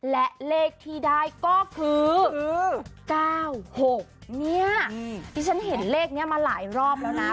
และเลขที่ได้ก็คือ๙๖เนี่ยที่ฉันเห็นเลขนี้มาหลายรอบแล้วนะ